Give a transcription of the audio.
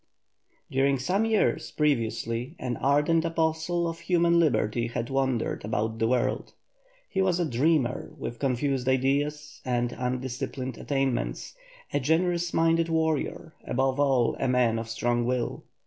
During some years previously an ardent apostle of human liberty had wandered about the world. He was a dreamer with confused ideas and undisciplined attainments, a generous minded warrior, above all, a man of strong will.